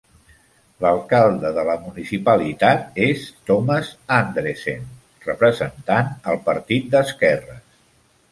L'alcalde de la municipalitat és Thomas Andresen, representant el partit d'esquerres.